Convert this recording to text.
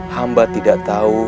hamba tidak tahu